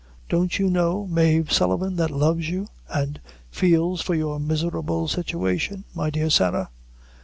"Don't you know Mave Sullivan, that loves you, an' feels for your miserable situation, my dear Sarah."